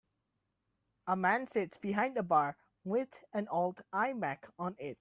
A man sits behind a bar with an old iMac on it.